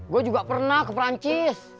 gue juga pernah ke perancis